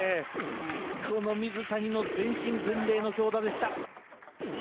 この水谷の全身全霊の強打でした。